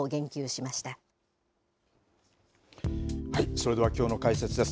それではきょうの解説です。